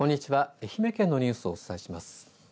愛媛県のニュースをお伝えします。